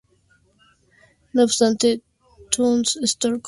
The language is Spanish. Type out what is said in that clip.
No obstante, iTunes Store comenzó a venderlo un día antes.